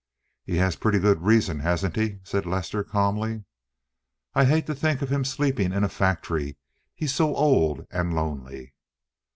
"He has pretty good reason, hasn't he?" said Lester calmly. "I hate to think of him sleeping in a factory. He's so old and lonely."